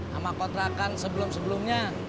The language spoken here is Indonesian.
sama kontrakan sebelum sebelumnya